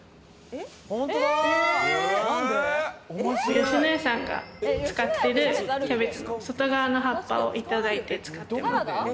吉野家さんが使っているキャベツの外側の葉っぱをいただいて使ってます。